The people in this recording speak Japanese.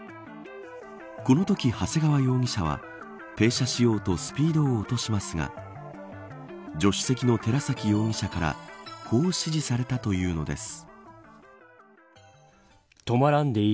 このとき長谷川容疑者は停車しようとスピードを落としますが助手席の寺崎容疑者からこう指示されたというのです。